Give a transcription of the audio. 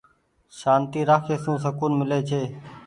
سآنتي رآکي سون سڪون ملي ڇي۔